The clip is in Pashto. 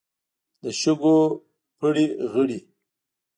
له شګو پړي غړي.